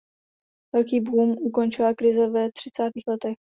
Velký boom ukončila krize ve třicátých letech.